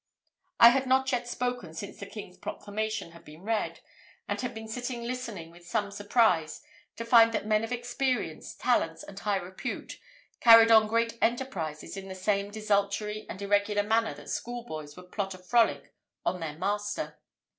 I had not yet spoken since the King's proclamation had been read, and had been sitting listening with some surprise to find that men of experience, talents, and high repute, carried on great enterprises in the same desultory and irregular manner that schoolboys would plot a frolic on their master.